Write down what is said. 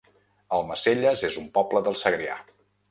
Almacelles es un poble del Segrià